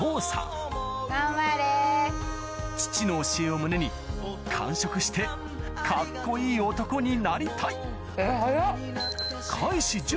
父の教えを胸に完食してカッコいい男になりたい早っ。